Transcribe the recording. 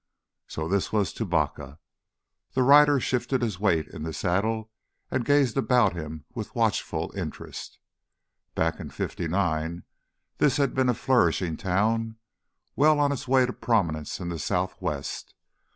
So this was Tubacca! The rider shifted his weight in the saddle and gazed about him with watchful interest. Back in '59 this had been a flourishing town, well on its way to prominence in the Southwest.